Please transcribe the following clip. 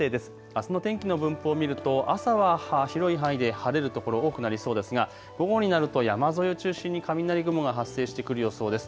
あすの天気の分布を見ると朝は広い範囲で晴れる所多くなりそうですが午後になると山沿いを中心に雷雲が発生してくる予想です。